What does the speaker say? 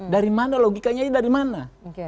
dari mana logikanya ini dari mana